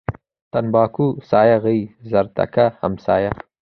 تنباکو سايه غيي ، زردکه همسايه.